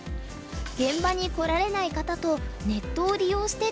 現場に来られない方とネットを利用して対局。